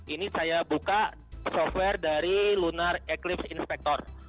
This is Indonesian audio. ini saya buka software dari lunar eklims inspector